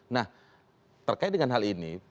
nah terkait dengan hal ini